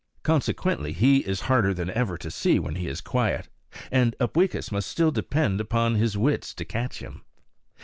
Consequently he is harder than ever to see when he is quiet; and Upweekis must still depend upon his wits to catch him.